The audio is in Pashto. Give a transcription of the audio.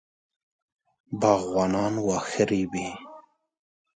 باغوانان واښه رېبي.